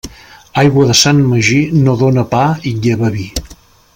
Aigua de Sant Magí no dóna pa i lleva vi.